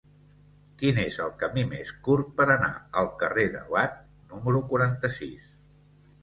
Quin és el camí més curt per anar al carrer de Watt número quaranta-sis?